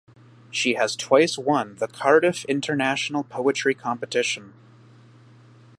She has twice won the Cardiff International Poetry Competition.